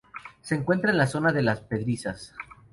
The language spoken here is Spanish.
Se encuentra en la zona de Las Pedrizas.